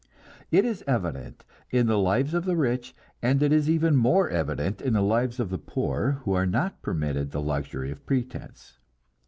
It is evident in the lives of the rich, and it is even more evident in the lives of the poor, who are not permitted the luxury of pretense.